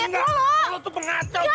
sini gue liat lo tuh pengacau